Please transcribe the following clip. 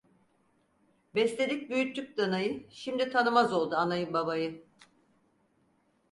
Besledik büyüttük danayı, şimdi tanımaz oldu anayı, babayı.